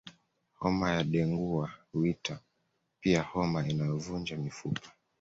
Homa ya dengua huitwa pia homa inayovunja mifupa